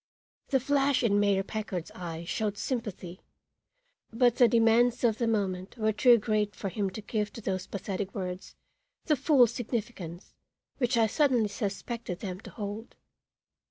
The flash in Mayor Packard's eye showed sympathy, but the demands of the moment were too great for him to give to those pathetic words the full significance which I suddenly suspected them to hold.